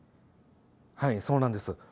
はいそうなんです。